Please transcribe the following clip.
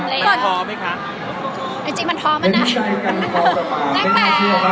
จริงจริงมันทอมไหมคะ